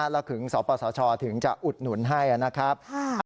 แล้วถึงสปสชถึงจะอุดหนุนให้นะครับ